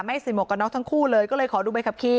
ไม่ใส่หมวกกันนอกทั้งคู่เลยก็เลยขอดูไปครับคลิป